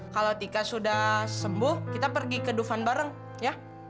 kalau tika sudah sembuh kita pergi ke dufan bareng ya